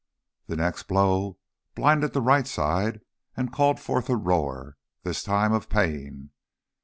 The next blow blinded the right side and called forth a roar, this time of pain.